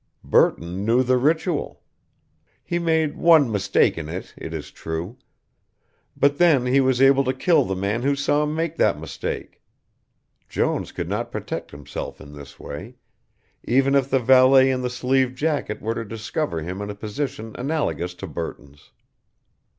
Burton knew the ritual. He made one mistake in it it is true, but then he was able to kill the man who saw him make that mistake. Jones could not protect himself in this way, even if the valet in the sleeved jacket were to discover him in a position analogous to Burton's.